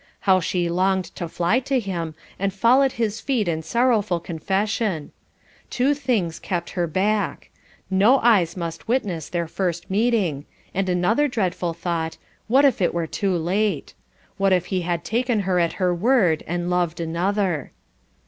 How she longed to fly to him and fall at his feet in sorrowful confession. Two things kept her back: no eyes must witness their first meeting, and another dreadful thought what if it were too late. What if he had taken her at her word and loved another.